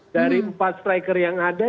dari empat striker yang ada